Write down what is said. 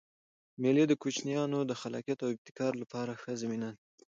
مېلې د کوچنيانو د خلاقیت او ابتکار له پاره ښه زمینه ده.